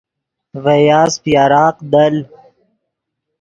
ڤے یاسپ یراق دل